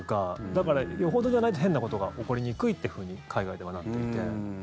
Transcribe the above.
だから、よほどじゃないと変なことが起こりにくいというふうに海外ではなっていて。